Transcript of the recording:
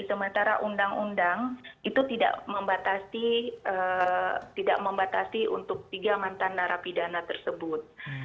sementara undang undang itu tidak membatasi untuk tiga mantan narapidana tersebut